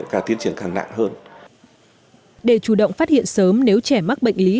càng tiến triển càng nặng hơn để chủ động phát hiện sớm nếu trẻ mắc bệnh lý